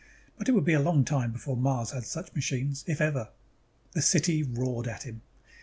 But it would be a long time before Mars had such machines. If ever. The city roared at him.